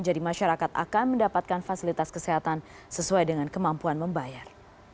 jadi masyarakat akan mendapatkan fasilitas kesehatan sesuai dengan kemampuan membayar